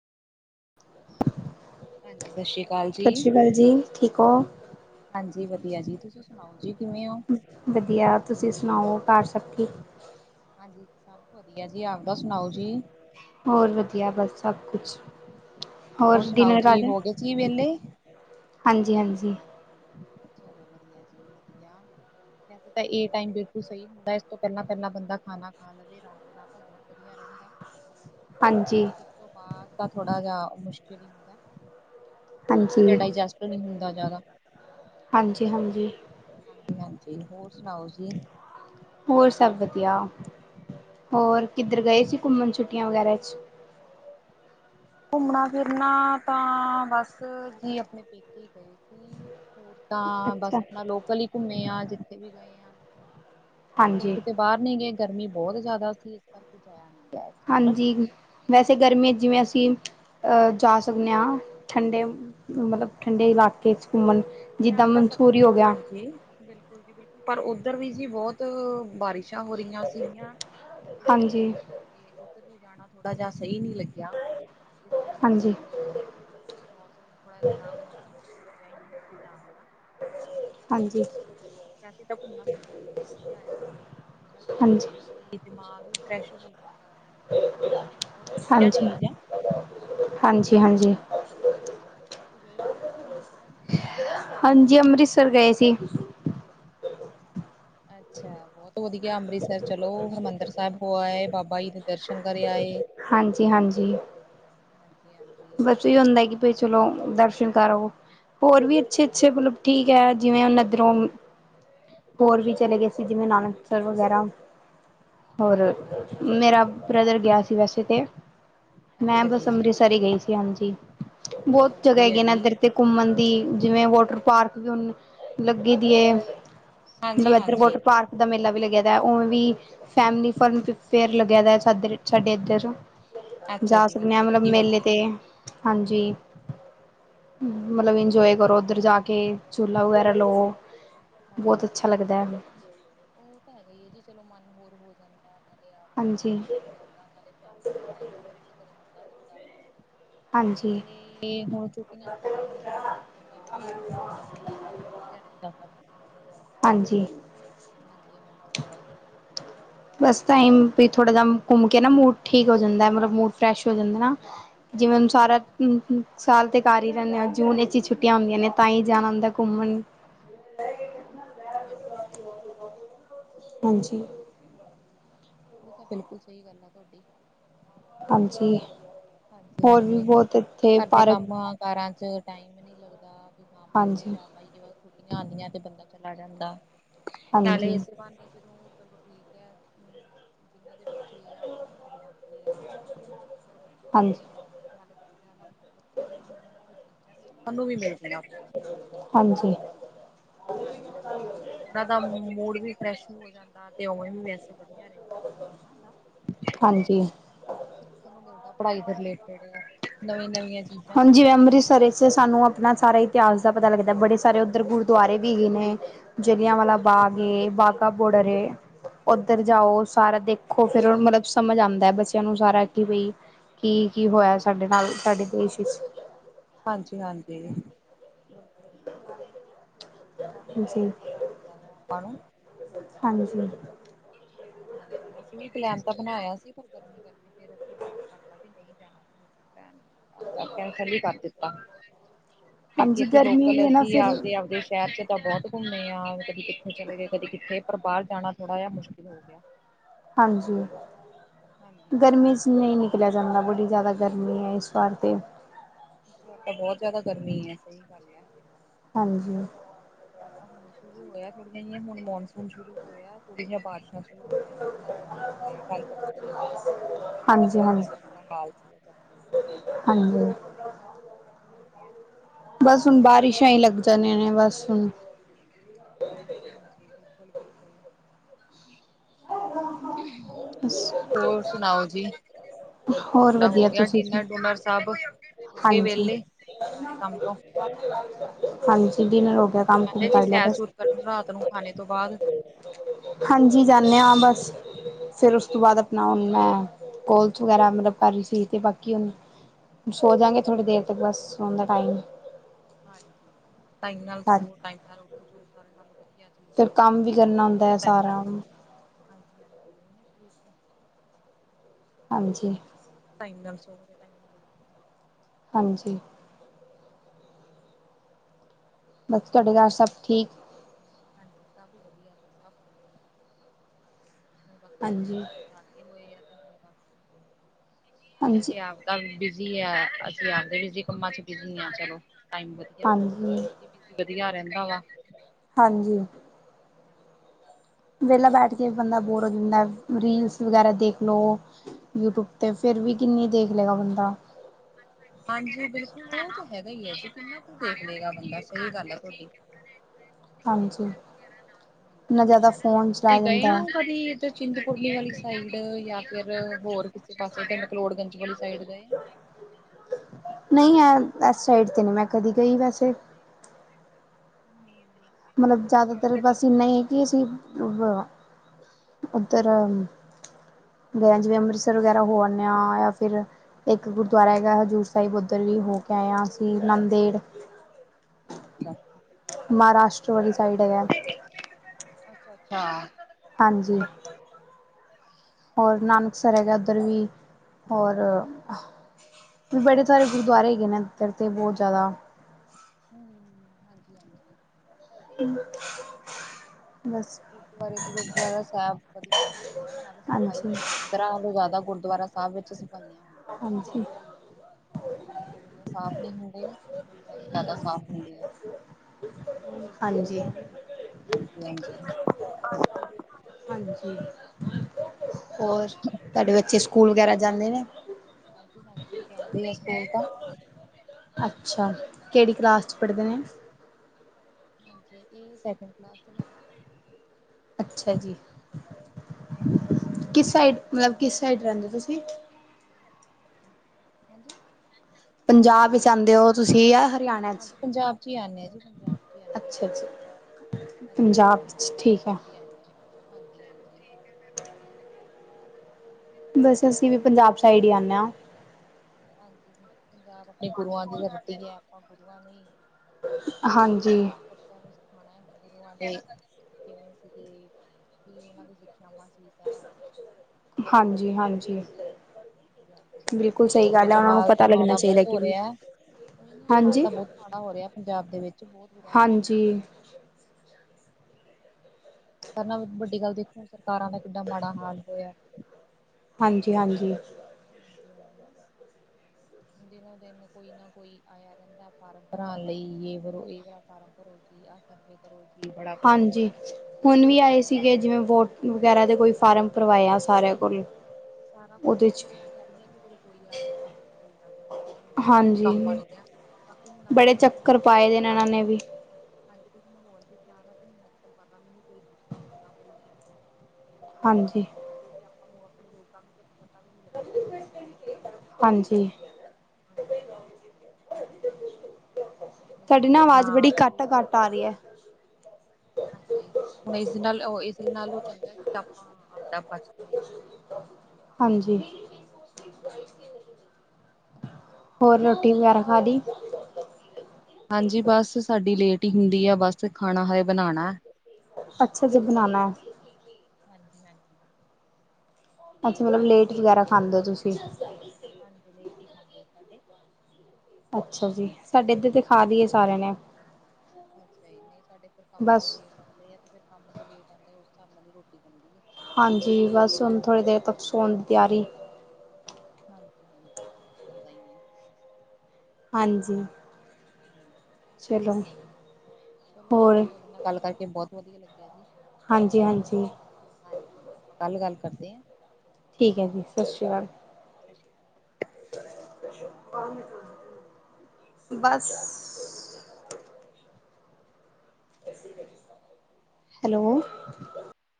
ਹਾਂਜੀ ਸਤਿ ਸ੍ਰੀ ਅਕਾਲ ਸਤਿ ਜੀ। ਸ਼੍ਰੀ ਅਕਾਲ ਠੀਕ ਹੋ? ਹਾਂਜੀ ਵਧੀਆ ਜੀ, ਤੁਸੀਂ ਸੁਣਾਓ ਜੀ ਕਿਵੇਂ ਔ? ਵਧੀਆ ਤੁਸੀਂ ਸੁਣਾਓ ਘਰ ਸਭ ਠੀਕ। ਹਾਂਜੀ ਸਭ ਵਧੀਆ ਜੀ ਆਵਦਾ ਸੁਣਾਓ ਜੀ। ਹੋਰ ਵਧੀਆ ਬਸ ਸਭ ਕੁਛ ਹੋਰ ਸੁਣਾਓ ਡਿਨਰ ਕਰ ਜੀ ਹੋ ਗਏ ਜੀ ਵਿਹਲੇ ਲਿਆ। ਹਾਂਜੀ-ਹਾਂਜੀ। ਚਲੋ ਵਧੀਆ ਜੀ ਵਧੀਆ। ਵੈਸੇ ਤਾਂ ਇਹ ਟਾਈਮ ਬਿਲਕੁਲ ਸਹੀ ਹੁੰਦਾ ਇਸ ਤੋਂ ਪਹਿਲਾਂ ਪਹਿਲਾਂ ਬੰਦਾ ਖਾਣਾ ਖਾ ਕਿਉਂਕਿ ਰਾਤ ਦਾ ਤਾਂ ਬਹੁਤ ਵਧੀਆ ਰਹਿੰਦਾ। ਹਾਂਜੀ। ਉਸ ਤੋਂ ਬਾਅਦ ਤਾਂ ਥੋੜਾ ਜਾ ਮੁਸ਼ਕਿਲ ਹੀ ਹੁੰਦਾ, ਫੇਰ ਹਾਂਜੀ ਡਾਈਜੈਸਟ ਨਹੀਂ ਹੁੰਦਾ ਜ਼ਿਆਦਾ। ਹਾਂਜੀ-ਹਾਂਜੀ। ਹਾਂਜੀ-ਹਾਂਜੀ ਹੋਰ ਸੁਣਾਓ ਜੀ? ਹੋਰ ਸਭ ਵਧੀਆ ਹੋਰ ਕਿੱਧਰ ਗਏ ਸੀ ਘੁੰਮਣ ਛੁੱਟੀਆਂ ਵਗੈਰਾ 'ਚ? ਘੁੰਮਣਾ ਫਿਰਨਾ ਤਾਂ ਬਸ ਜੀ ਆਪਣੇ ਪੇਕੇ ਗਏ ਸੀ। ਹੋਰ ਤਾਂ ਅੱਛਾ ਬਸ ਆਪਣਾ ਲੋਕਲ ਹੀ ਘੁੰਮੇ ਆ ਜਿੱਥੇ ਵੀ ਗਏ ਆ, ਹੋਰ ਹਾਂਜੀ ਕਿਤੇ ਬਾਹਰ ਨੀ ਗਏ ਗਰਮੀ ਬਹੁਤ ਜ਼ਿਆਦਾ ਸੀ, ਇਸ ਕਰਕੇ ਜਾਇਆ ਨਹੀਂ ਗਿਆ। ਇਸ ਵਾਰ। ਹਾਂਜੀ, ਵੈਸੇ ਗਰਮੀ ਚ ਜਿਵੇਂ ਅਸੀਂ ਅ ਜਾ ਸਕਨੇ ਆਂ ਠੰਡੇ ਮਤਲਬ ਠੰਡੇ ਇਲਾਕੇ ਚ ਘੁੰਮਣ ਜਾ ਜਿੱਦਾਂ ਤਾਂ ਮਨਸੂਰੀ ਸਕਦੇ ਹੋ ਹਾਂ ਗਿਆ ਹਾਂਜੀ, ਬਿਲਕੁਲ ਜੀ ਬਿਲਕੁਲ ਪਰ ਉੱਧਰ ਵੀ ਜੀ ਬਹੁਤ ਬਾਰਿਸ਼ ਇੱਛਾ ਹੋ ਰਹੀਆਂ ਸੀਗੀਆਂ ਤੇ ਇਸ ਹਾਂਜੀ ਕਰਕੇ ਤੇ ਉੱਧਰ ਵੀ ਜਾਣਾ ਥੋੜ੍ਹਾ ਜਿਹਾ ਸਹੀ ਨਹੀਂ ਲੱਗਿਆ ਇਸ ਲਈ ਇਸ ਹਾਂਜੀ ਵਰ ਮੌਸਮ ਥੋੜ੍ਹਾ ਖ਼ਰਾਬ ਹੋਣ ਕਰਕੇ ਸੋਚਿਆ ਹੀ ਨਹੀਂ ਕਿਤੇ ਜਾਣ ਦਾ ਹਾਂਜੀ, ਵੈਸੇ ਤਾਂ ਘੁੰਮਣਾ ਫਿਰਨਾ ਬਹੁਤ ਵਧੀਆ ਆ। [unintelligible] ਹਾਂਜੀ ਲਈ ਵੀ ਦਿਮਾਗ ਵੀ ਫਰੈਸ਼ ਹੋ ਜਾਂਦਾ ਐ। ਬਹੁਤ ਵਧੀਆ ਹਾਂਜੀ ਚੀਜ਼ ਐ। ਹਾਂਜੀ ਹਾਂਜੀ। ਤੁਸੀਂ ਗਏ ਸੀ ਕਿਤੇ ਘੁੰਮਣ ਫਿਰਨ। ਹਾਂਜੀ ਅੰਮ੍ਰਿਤਸਰ ਗਏ ਸੀ। [inaudible] ਅੱਛਾ ਬਹੁਤ ਵਧੀਆ ਅੰਮ੍ਰਿਤਸਰ ਚਲੋ ਹਰਿਮੰਦਰ ਸਾਹਿਬ ਹੋ ਆਏ ਬਾਬਾ ਜੀ ਦੇ ਦਰਸ਼ਨ ਕਰੇ ਆਏ। ਹਾਂਜੀ ਹਾਂਜੀ ਹਾਂਜੀ ਹਾਂਜੀ ਵ ਧੀਆ ਹੁੰਦਾ ਐ ਕਿ ਭਈ ਚਲੋ ਦਰਸ਼ਨ ਕਰ ਆਓ। ਹੋਰ ਵੀ ਅੱਛੇ ਅੱਛੇ ਮਤਲਬ ਠੀਕ ਐ ਜਿਵੇਂ ਹੁਣ ਇਧਰੋ। ਹੋਰ ਵੀ ਚਲੇ ਗਏ ਸੀ ਜਿਵੇਂ ਨਾਨਕਸਰ ਵਗੈਰਾ ਹੋਰ ਅੱਛਾ ਜੀ ਮੇਰਾ ਬ੍ਰਦਰ ਗਿਆ ਸੀ ਵੈਸੇ ਤੇ ਮੈਂ ਅੱਛਾ ਬਸ ਜੀ ਅੰਮ੍ਰਿਤਸਰ ਹੀ ਗਈ ਸੀ ਹਾਂਜੀ। ਬੋਤ ਚਲੋ ਜਗ੍ਹਾ ਵਧੀਆ ਹੈਗੀ ਨਾ ਜੀ। ਇਧਰ ਤੇ ਘੁੰਮਣ ਦੀ ਜਿਵੇਂ ਵੋਟਰ ਪਾਰਕ ਵੀ ਹੁਣ ਲੱਗੀ ਦੀ ਏ। ਹਾਂਜੀ ਮਤਲਬ ਇਧਰ ਹਾਂਜੀ ਵੋਟਰ ਪਾਰਕ ਦਾ ਮੇਲਾ ਵੀ ਲੱਗਿਆ ਦਾ ਉਵੇ ਵੀ ਫੈਮਿਲੀ ਫਰਨ ਫੇ ਫੇਅਰ ਲੱਗਿਆ ਦਾ ਸਾਡ ਸਾਡੇ ਇੱਧਰ ਅੱਛਾ ਜਾ ਜੀ ਸਕਣੇ ਆ ਵਧੀਆ ਮਤਲਬ ਜੀ ਮੇਲੇ ਵਧੀਆ ਤੇ ਹਾਂਜੀ। ਮਤਲਬ ਇੰਜੋਏ ਕਰੋ ਉੱਧਰ ਜਾ ਕੇ ਝੁਲਾ ਵਗੈਰਾ ਲਓ। ਹਾਂਜੀ ਬਹੁਤ ਅੱਛਾ ਹਾਂਜੀ ਲੱਗਦਾ ਹਲੇ। ਉਹ ਤਾਂ ਹੈਗਾ ਈ ਐ ਜੀ ਚਲੋ ਮਨ ਹੋਰ ਹੋ ਜਾਂਦਾ ਨਾਲੇ ਆਪ ਹਾਂਜੀ। [unintelligible] ਨਾਲੇ ਫੈਮਲੀ ਨਾਲ ਟਾਇਮ ਸਪੈਂਡ ਕਰ ਲੈਂਦਾ ਬੰਦਾ। ਹਾਂਜੀ ਨਾਲੇ ਹੁਣ ਛੁੱਟੀਆਂ ਸੀ ਗਰਮੀ ਦੀਆਂ ਤੇ ਇਕ ਬੰਦਾ ਵਧੀਆ ਕਿਤੇ ਚਲਾ ਜਾਂਦਾ ਤੇ ਚਲੋ ਵਧੀਆ ਰਹਿੰਦਾ ਸਭ ਹਾਂਜੀ, ਹਾਂਜੀ ਹਾਂਜੀ। ਬਸ ਟਾਈਮ ਪੇ ਥੋੜਾ ਜਿਆ ਘੁੰਮ ਕੇ ਨਾ ਮੂਡ ਠੀਕ ਹੋ ਜਾਂਦਾ ਏ ਮਤਲਬ ਮੂਡ ਫਰੈਸ਼ ਹੋ ਜਾਂਦਾ ਨਾ। ਜਿਵੇਂ ਫਰੈਸ਼ ਹੁਨ ਹੋ ਸਾਰਾ ਜਾਂਦਾ ਫਿਰ ਸਾਲ ਤੇ ਘਰ ਹੀ ਰਹਿੰਣੇ ਹਾਂ ਜੂਨ ਵਿੱਚ ਹੀ ਛੁੱਟੀਆਂ ਹੁੰਦੀਆਂ ਨੇ ਤਾਂ ਹੀ ਜਾਣਾ ਹੁੰਦਾ ਘੁੰਮਣ। [inaudible] ਹਾਂਜੀ ਹਾਂਜੀ। ਹਾਂਜੀ। ਉਹ ਤਾਂ ਬਿਲਕੁਲ ਸਹੀ ਗੱਲ ਆ ਤੁਹਾਡੀ। ਹਾਂਜੀ ਹਾਂਜੀ ਹੋਰ ਵੀ ਹਾਂਜੀ ਬਹੁਤ ਇੱਥੇ ਘਰ ਦੇ ਪਾਰਕ ਕੰਮ ਕਾਰਾਂ ਚ ਟਾਈਮ ਹੀ ਨੀ ਲੱਗਦਾ ਵੀ ਹਾਂ ਆਪਾਂ ਕਿਤੇ ਹਾਂਜੀ ਜਾ ਪਾਈਏ ਬਸ ਛੁੱਟੀਆਂ ਆਂਦੀਆਂ ਤੇ ਬੰਦਾ ਚਲਾ ਜਾਂਦਾ ਨਾਲੇ ਹਾਂਜੀ ਇਸ ਬਹਾਨੇ ਜਦੋਂ ਚਲੋ ਠੀਕ [unintelligible] ਜਿਨਾਂ ਦੇ ਬੱਚੇ ਆ ਉਹ ਘੁੰਮ ਫਿਰ ਆਂਦੇ ਆ ਹਾਂ ਬੱਚੇ ਘੁੰਮ ਹਾਂਜੀ ਫਿਰ ਆਂਦੇ ਆ ਤੇ ਸਾਡੇ ਬੱ [unintelligible] ਬੱਚਿਆਂ ਨੂੰ ਨਵੀਆਂ ਨਵੀਆਂ ਚੀਜ਼ਾਂ ਸਿੱਖਣ ਨੂੰ ਵੀ ਮਿਲਦੀਆਂ ਓਥੇ ਈ। ਹਾਂਜੀ। ਹਾਂਜੀ ਹਾਂਜੀ, ਉਹਨਾਂ ਦਾ ਮੂਡ ਵੀ ਫਰੈਸ਼ ਹੋ ਜਾਂਦਾ ਤੇ ਓਵੇਂ ਵੀ ਵੈਸ ਵਧੀਆ ਰਹਿੰਦਾ ਸਬ ਓਹਨਾਂ ਦਾ। ਹਾਂਜੀ ਸਿੱਖਣ ਨੂੰ ਮਿਲਦਾ ਪੜ੍ਹਾਈ ਦੇ ਰਿਲੇਟਿਡ ਨਵੀਂ ਨਵੀਆਂ ਹਾਂਜੀ, ਅੰਮ੍ਰਿਤਸਰ ਵਿੱਚ ਤੇ ਸਾਨੂੰ ਅਪਣਾ ਸਾਰਾ ਇਤਿਹਾਸ ਦਾ ਪਤਾ ਲੱਗਦਾ, ਬੜੇ ਸਾਰੇ ਔਦਰ ਗੁਰਦੁਆਰੇ ਵੀ ਹੈਗੇ ਨੇ। ਜਲਿਆਂਵਾਲਾ ਬਾਗ ਬਿਲਕੁਲ-ਬਿਲਕੁਲ ਏ, ਬਾਕਾ ਬੋਡਰ ਹਾਂਜੀ-ਹਾਂਜੀ। ਏ ਓਧਰ ਜਾਓ ਸਾਰਾ ਦੇਖ ਖੋ ਫਿਰ ਮਤਲਬ ਸਮਝ ਆਂਦਾ ਬੱਚਿਆਂ ਨੂੰ ਸਾਰਾ ਕਿ ਬਈ ਕੀ-ਕੀ ਹੋਇਆ ਸਾਡੇ ਨਾਲ ਸਾਡੇ ਦੇਸ਼ ਵਿੱਚ। ਹਾਂਜੀ, ਹਾਂਜੀ। ਬਿਲਕੁਲ-ਬਿਲਕੁਲ, ਸਭ ਜੀ ਪਤਾ ਲੱਗਦਾ ਆ ਆਪਾਂ ਨੂੰ। ਹਾਂਜੀ। ਹਾਂਜੀ, ਅਸੀਂ ਵੀ ਪਲੈਣ ਤਾਂ ਬਣਾਇਆ ਸੀ ਪਰ ਗਰਮੀ ਕਰਕੇ ਫੇਰ ਅਸੀਂ ਡਰਾ ਕਰਤਾ ਬੀ ਨਹੀਂ ਜਾਣਾ ਇਸ ਪਲੈਨ, ਕੈਂਸਲ ਈ ਕਰ ਦਿੱਤਾ। ਬਾਕੀ ਹਾਂਜੀ ਇੱਥੇ ਗਰਮੀ ਲੋਕਲ ਵੀ ਹੈ ਨਾ ਅਸੀਂ ਫਿਰ ਆਪਦੇ-ਆਪਦੇ ਸੈ਼ਰ ਚ ਤਾਂ ਬੌਤ ਘੁੰਮੇ ਆ ਕਦੀ ਕਿੱਥੇ ਚਲੇ ਗਏ ਕਦੀ ਕਿੱਥੇ ਪਰ ਬਾਰ ਜਾਣਾ ਥੋੜਾ ਜਾ ਮੁਸ਼ਕਿਲ ਹੋ ਗਿਆ। ਹਾਂਜੀ, ਹਾਂਜੀ ਗਰਮੀ ਹਾਂਜੀ। ਚ ਨਹੀਂ ਨਿ ਚਲਾ ਜਾਂਦਾ ਬੜੀ ਜਾਦਾ ਗਰਮੀ ਏ ਇਸ ਵਾਰ ਤੇ। ਤੁਸਾਂ ਤੇ ਬੌਤ ਜਾਦਾ ਗਰਮੀ ਏ, ਸਹੀ ਗੱਲ ਐ। ਹਾਂਜੀ। [unintelligible] ਹੁਣ ਸ਼ੁਰੂ ਹੋਇਆ, ਥੋੜੀ ਜਹੀਆਂ ਹੁਣ ਮੌਨਸੂਨ ਸ਼ੁਰੂ ਹੋਇਆ ਥੋੜੀ ਜੀਆ ਬਾਰਸ਼ਾਂ ਸ਼ੁਰੂ ਹੋਈਆਂ ਥੋੜਾ ਠੀਕ ਹੋਇਆ ਕੱਲ ਪਰਸੋ ਦਾ, ਪੈਲਾਂ ਤਾਂ ਹਾਂਜੀ ਬੌਤ ਹਾਂਜੀ ਜਿਆਦਾ ਬੁਰਾ ਹਾਲ ਸੀਗਾ ਗਰਮੀ ਨਾਲ। ਹਾਂਜੀ। ਹਾਂਜੀ, ਹਾਂ। ਬਸ ਹੁਣ ਬਾਰਿਸ਼ਾਂ ਹੀ ਲੱਗ ਜਾਣੀਆਂ ਨੇ ਬਸ ਹੁਣ। ਹਾਂਜੀ-ਹਾਂਜੀ, ਬਿਲਕੁਲ-ਬਿਲਕੁਲ। [inaudible] ਥੋਡਾ ਹੋ ਵਧੀਆ ਗਿਆ ਤੁਸੀਂ ਸੁ ਡਿਨਰ-ਡੁਨਰ ਸਭ, ਹੋਗੇ ਹਾਂਜੀ ਵੇਲੇ ਸਾਰੇ ਕੰਮ ਤੋਂ? ਹਾਂਜੀ, ਡਿਨਰ ਹੋ ਗ ਜਾਦੇ ਜੀ ਸੈਰ-ਸੁਰ ਕਰਨ ਰਾਤ ਨੂੰ ਖਾਣੇ ਤੋਂ ਬਾਦ? ਹਾਂਜੀ ਜਾਨੇ ਆਂ ਬਸ, ਫੇਰ ਓਸ ਤੋਂ ਬਾਦ ਅਪਣਾ ਮੈਂ ਕੋਲਸ ਵਗੈਰਾ ਹਾਂਜੀ ਮਤਲਬ ਕਰ ਰੀ ਸੀ ਤੇ ਬਾ ਕੀ ਹੁਣ, ਸੋ ਜਾਂਗੇ ਥੋੜ੍ਹੀ ਦੇਰ ਤੱਕ ਬਸ ਸੋਣ ਦਾ ਟਾਈਮ ਹਾਂਜੀ, ਟਾਈਮ ਨਾਲ ਹਾਂਜੀ ਸੋਵੋ ਟਾਈਮ ਨਾਲ ਉੱਠ ਜੋ ਸਾਰੇ ਨਾਲੋਂ ਵਧੀਆ। ਚੀਜ਼ ਫੇਰ ਹੈ ਕੰਮ ਵੀ ਕਰਨਾ ਹੁੰਦਾ ਸਾਰਾ। ਹਾਂਜੀ-ਹਾਂਜੀ, ਔ ਨਾ ਸ਼ਰੀਫ ਏ। ਹਾਂਜੀ। ਟਾਈਮ ਨਾਲ ਸੋਵੋ ਤੇ ਟਾਈਮ ਨਾਲ ਉ ਹਾਂਜੀ। ਬਸ ਤੁਹਾਡੇ ਘਰ ਸਭ ਠੀਕ? ਹਾਂਜੀ, ਸਭ ਵਧੀਆ ਸਭ। ਵਧੀਆ। ਹਾਂਜੀ [unintelligible] ਬੱਚੇ ਹਾਂਜੀ ਆਵ ਤਾ ਬਿਜੀ ਐ ਅਸੀਂ ਆਪਦੇ ਬਿਜੀ ਕੰਮਾਂ ਚ ਬਿਜੀ ਆ ਚਲੋ, ਟਾਈਮ ਵਧੀਆ ਹਾਂਜੀ ਬਿਜੀ ਵਧੀਆ ਰੈੰਦਾ ਵਾ। ਹਾਂਜੀ। ਹਾਂਜੀ ਹਾਂਜੀ ਵੇਲਾ ਬੈਠ ਕੇ ਵੀ ਬੰਦਾ ਬੋਰ ਹੋ ਜਾਂਦਾ, ਰੀਲਸ ਵਗੈਰਾ ਦੇਖ ਲੋ ਯੂਟਊਬ ਤੇ ਫੇਰ ਵੀ ਕਿੰਨੀ ਦੇਖ ਲੇਗਾ ਬੰਦਾ। ਹਾਂਜੀ ਬਿਲਕੁਲ ਓਹ ਤਾਂ ਹੈਗਾ ਹੀ ਐ ਕਿ ਕਿੰਨਾ ਕੁ ਦੇਖ ਲੇਗਾ ਬੰਦਾ, ਸਹੀ ਗੱਲ ਆ ਥੋਡੀ। ਹਾਂਜੀ। ਨਾ ਹਾਂਜੀ-ਹਾਂਜੀ, ਜ਼ਿਆਦਾ ਫੋਨ ਚਲਾਇਆ ਤੁਸੀਂ ਗਏ ਜਾਂਦਾ ਹੈ। ਔ ਕਦੀ ਏਥੇ ਚਿੰਤਪੁਰਨੀ ਵਾਲੀ ਸਾਈਡ ਯਾ ਫਿਰ ਹੋਰ ਕਿਸੇ ਪਾਸੇ ਦੇ ਮਕਲੋਡਗੰਜ ਵਾਲੀ ਸਾਈਡ ਗਏ ਔ? ਨਹੀਂ ਐ ਇਸ ਸਾਈਡ 'ਤੇ ਨਹੀਂ ਮੈਂ ਕਦੀ ਗਈ ਵੈਸੇ ਮਤਲਬ ਜ਼ਿਆਦਾਤਰ ਅੱਛਾ ਬਸ ਇੰਨਾ ਹੀ ਇਹ ਜੀ, ਉੱਧਰ ਗਏ ਜਿਵੇਂ ਅੰਮ੍ਰਿਤਸਰ ਵਗੈਰਾ ਹੋ ਆਨੇ ਆ ਜਾਂ ਫਿਰ ਇੱਕ ਗੁਰਦੁਆਰਾ ਹੈਗਾ ਹਜ਼ੂਰ ਸਾਹਿਬ ਉੱਧਰ ਵੀ ਹੋ ਕੇ ਆਏ ਹਾਂ ਅਸੀਂ ਨੰਦੇੜ ਅੱਛਾ, ਅੱਛਾ ਮਹਾਰਾਸ਼ਟਰ ਵਾਲੀ ਸਾਈਡ ਹੈਗਾ। ਅੱਛਾ ਹਾਂਜੀ, ਹੋਰ ਨਾਨਕਸਰ ਹੈਗਾ ਉੱਧਰ ਵੀ ਹੋਰ, ਬੜੇ ਸਾਰੇ ਗੁਰੂਦੁਆਰੇ ਹੈਗੇ ਨੇ ਇੱਧਰ ਦੇ ਬਹੁਤ ਜ਼ਿਆਦਾ ਹੂੰ ਹਾਂਜੀ-ਹਾਂਜੀ, [inaudible] ਬਸ ਗੁਰਦੁਆਰੇ ਤੇ ਗੁਰਦੁਆਰਾ ਸਾਹਿਬ ਵਧੀਆ। ਨਾਲ ਹਾਂਜੀ, ਸਫ਼ਾਈ ਮੰਦਾਂ ਤੋਂ ਜ਼ਿਆਦਾ ਗੁਰਦੁਆਰਾ ਸਾਹਿਬ ਵਿੱਚ ਸਫਾਈਆਂ ਹੁੰਦੀਆਂ। ਹਾਂਜੀ, ਹਾਂਜੀ ਮੰਦਿਰ ਇਨੇ ਸਾਫ਼ ਨਹੀਂ ਹੁੰਦੇ ਗੁਰਦੁਆਰੇ ਜ਼ਿਆਦਾ ਸਾਫ਼ ਹੁੰਦੇ ਆ। ਹਾਂਜੀ, ਹਾਂਜੀ-ਹਾਂਜੀ, ਹਾਂਜੀ ਹੋਰ ਤੁਹਾਡੇ ਬੱਚੇ ਸਕੂਲ ਵਗੈਰਾ ਜਾਂਦੇ ਨੇ? ਹਾਂਜੀ-ਹਾਂਜੀ ਕਹਿੰਦੇ ਆ ਸਕੂਲ ਤਾਂ ਅੱਛਾ, ਕਿਹੜੀ ਕਲਾਸ 'ਚ ਪੜ੍ਹਦੇ ਐ? ਹਾਂਜੀ। ਹਾਂਜੀ ਸੈਕਿੰਡ ਕਲਾਸ ਨੇ, ਅੱਛਾ ਜੀ, ਹਾਂਜੀ-ਹਾਂਜੀ ਸੈਕਿੰਡ ਕਿਸ ਕਲਾਸ ਸਾਈਡ ਚ ਪੜ੍ਹਦੇ ਮਤਲਬ ਕਿਸ ਬੱਚੇ ਸਾਈਡ ਰਹਿੰਦੇ ਹੋ ਤੁਸੀਂ ਹਾਂਜੀ, ਪੰਜਾਬ ਚ ਆਉਂਦੇ ਹੋ ਤੁਸੀਂ ਆ ਹਾਂਜੀ ਪੰਜਾਬ ਚ ਹੀ ਆਨੇ ਆ ਜੀ। ਅੱਛਾ ਜੀ। ਪੰਜਾਬ ਹਾਂਜੀ-ਹਾਂਜੀ 'ਚ ਪੰਜਾਬ ਠੀਕ ਹੈ ਸਾਈਡ ਹੀ ਆਨੇ ਆ ਹਾਂਜੀ-ਹਾਂਜੀ ਬਸ ਅਸੀਂ ਵੀ ਪੰਜਾਬ ਸਾਈਡ ਹੀ ਆਨੇ ਆ, ਹਾਂਜੀ ਪੰਜਾਬ ਆਪਣੇ ਗੁਰੂਆਂ ਦੀ ਧਰਤੀ ਐ ਆਪਾਂ ਗੁਰੂਆਂ ਨੂੰ ਹੀ ਹਾਂਜੀ, ਬੱਚਿਆਂ ਨੂੰ ਸਿਖਾਣਾ ਹੀ ਪੈਂਦਾ ਉਹ ਦੇ ਕਿਵੇਂ ਸੀਗੇ ਕੀ ਉਹਨਾਂ ਦੀ ਨਵਾਂ ਸੀਜ਼ ਸਾਰਾ ਕੁਛ ਹਾਂਜੀ-ਹਾਂਜੀ, ਹਾਂਜੀ ਬਾਕੀ ਪੰਜਾਬ ਵਿੱਚ ਹਾਲ ਤਾਂ ਲੱਗਣਾ ਮਾੜਾ ਚਾਹੀਦਾ ਬਹੁਤ ਕਿ ਹੋ ਵੀ ਰਿਹਾ, ਕੋਈ ਨੀ ਹਾਲ ਹਾਂਜੀ, ਤਾਂ ਬਹੁਤ ਮਾੜਾ ਹੋ ਰਿਹਾ ਪੰਜਾਬ ਦੇ ਵਿੱਚ ਬਹੁਤ ਬੁਰਾ ਹਾਂਜੀ, ਹਾਲ ਹੋ ਰਿਹਾ। ਹਾਂਜੀ, ਕਰਨਾ ਵੱਡੀ ਗੱਲ ਦੇਖੋ ਸਰਕਾਰਾਂ ਦਾ ਕਿੱਡਾ ਮਾੜਾ ਹਾਲ ਹੋਇਆ। ਹਾਂਜੀ-ਹਾਂਜੀ, ਹਾਂਜੀ-ਹਾਂਜੀ ਦਿਨੋ-ਦਿਨ ਕੋਈ ਨਾ ਕੋਈ ਆਇਆ। ਦਾ ਫਾਰਮ ਭਰਾਉਣ ਲਈ ਇਹ ਕਰੋ ਇਹ ਵੀ ਫਾਰਮ ਭਰੋ ਜੀ ਆਹ ਸਰਵੇ ਕਰੋ ਜੀ। ਬੜਾ ਕੁਛ ਹੋ ਹਾਂਜੀ, ਰਿਹਾ। ਹੁਣ ਵੀ ਆਏ ਸੀਗੇ ਜਿਵੇਂ ਵੋਟ ਵਗੈਰਾ ਦੇ ਕੋਈ ਫਾਰਮ ਭਰਵਾਇਆ ਸਾਰ ਕੋਲ ਸਾਰਾ ਕੁਛ ਉਹਦੇ 'ਚ ਉਹੀ ਕਚਹਿਰੀਆਂ ਵੀ ਕਦੇ ਕੋਈ ਆ ਜਾਂਦਾ ਕਦੇ ਆ ਜਾਂਦਾ ਡੇਲੀ ਦਾ ਹੀ ਹਾਂਜੀ, ਕੰਮ ਬਣ ਗਿਆ। ਬਾਕੀ ਹੁਣ ਬੜੇ ਅੱਜ-ਕਲ ਚੱਕਰ ਮਾਹੌਲ ਵੀ ਪਾਏ ਦੇ ਨੇ ਖ਼ਰਾਬ ਇਹਨਾਂ ਨੇ ਹੈਗਾ ਐ। ਵੀ, ਹਾਂਜੀ ਕੁਛ ਮਾਹੌਲ ਵੀ ਖ਼ਰਾਬ ਐ ਤਾਨੂੰ ਅੱਜ-ਕੱਲ੍ਹ ਪਤਾ ਵੀ ਨਹੀਂ ਕੋਈ ਦੂਸਰਾ ਬੰਦਾ ਕੋਈ ਐਵੇਂ ਗਰੁੱਪ ਬਣਾ ਹਾਂਜੀ। ਕੇ ਅੱਜ ਤੇ ਆਪਾਂ ਨੂੰ ਆਪਣੇ ਲੋਕਾਂ ਨੂੰ ਕੁ ਪਤਾ ਵੀ ਨੀ ਲੱਗਦਾ ਕਈ ਵਾਰ ਹਾਂਜੀ, ਹਾਂ ਤੁਹਾਡੀ ਨਾ ਆਪਣਾ ਆਵਾਜ਼ ਬੜੀ ਆਪ ਘੱਟ-ਘੱਟ ਆ ਰਹੀ ਹੈ। ਹੀ ਹੁਣ ਇਸ ਨਾਲ ਇਸ ਨਾਲੋ ਉਹ ਚੰਗਾ ਕਿ ਆਪਾਂ ਆਪ ਬਚ ਕੇ ਰਹੀਏ। ਹਾਂਜੀ, ਹਾਂਜੀ-ਹਾਂਜੀ, ਹੋਰ ਰੋਟੀ ਵਗੈਰਾ ਖਾ ਲੀ? ਹਾਂਜੀ ਬੱਸ ਸਾਡੀ ਲੇਟ ਹੀ ਹੁੰਦੀ ਆ ਬੱਸ ਖਾਣਾ ਹਜੇ ਬਣਾਣਾ। ਅੱਛਾ ਜੀ ਬਨਾਨਾ ਐ। ਹਾਂਜੀ-ਹਾਂਜੀ, ਅੱਛਾ ਮਤਲਬ ਲੇਟ ਵਗੈਰਾ ਖਾਂਦੇ ਔ ਤੁਸੀਂ? [unintelligible] ਅੱਛਾ ਜੀ, ਸਾਡੇ ਇੱਧਰ ਤੇ ਖਾ ਲਈ ਏ ਸਾਰਿਆਂ ਨੇ ਅੱਛਾ ਜੀ ਨੀ ਸਾਡੇ ਫਿਰ ਕੰਮ ਤੋਂ ਹੀ ਬਸ ਲੇਟ ਆਦੇ ਆ ਤੇ ਫਿਰ ਕੰਮ ਤੋਂ ਲੇਟ ਆਦੇ, ਉਸ ਹਿਸਾਬ ਨਾਲ ਹੀ ਰੋਟੀ ਬਣਦੀ ਆ। ਹਾਂਜੀ ਬੱਸ ਹੁਣ ਥੋੜ੍ਹੀ ਦੇਰ ਤੱਕ ਸੋਣ ਦੀ ਤਿਆਰੀ ਹਾਂਜੀ-ਹਾਂਜੀ ਬੱਸ ਇੱਦਾਂ ਹੀ ਐ। ਹਾਂਜੀ, [inaudible] ਚਲੋ ਹੋਰ ਗੱਲ ਕਰਕੇ ਬਹੁਤ ਵਧੀਆ ਲੱਗਿਆ ਜੀ, ਚਲੋ ਹਾਂਜੀ-ਹਾਂਜੀ, ਹੁਣ ਹਾਂਜੀ ਆਪਾਂ ਕੱਲ੍ਹ ਗੱਲ ਕਰਦੇ ਆ। ਠੀਕ ਐ ਜੀ, ਸਤਿ ਸ਼੍ਰੀ ਅਕਾਲ। [inaudible] ਬਸ [inaudible] ਹੈਲੋ,